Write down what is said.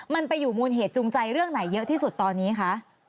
มันไปอยู่มูลเหตุจูงใจเรื่องไหนเยอะที่สุดตอนนี้คะ